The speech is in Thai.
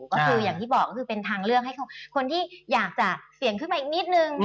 ก็คืออย่างที่บอกก็คือเป็นทางเลือกให้คนที่อยากจะเสี่ยงขึ้นมาอีกนิดนึง